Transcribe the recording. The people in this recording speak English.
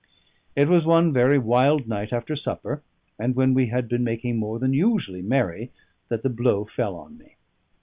It was one very wild night, after supper, and when we had been making more than usually merry, that the blow fell on me.